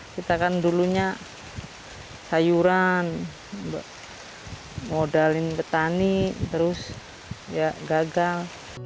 kita kan dulunya sayuran modalin petani terus ya gagal